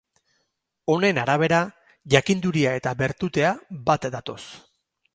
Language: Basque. Honen arabera, jakinduria eta bertutea bat datoz.